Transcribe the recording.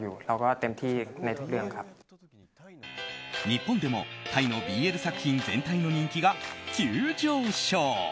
日本でも、タイのＢＬ作品全体の人気が急上昇。